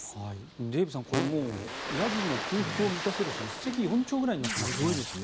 デーブさん、これもうヤギも空腹を満たせるし一石四鳥ぐらいになっていますね。